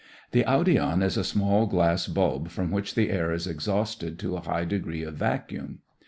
The audion is a small glass bulb from which the air is exhausted to a high degree of vacuum.